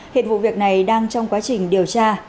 hiện vụ việc này đang trong quá trình điều tra